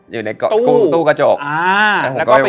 อยู่ในตู้กระจก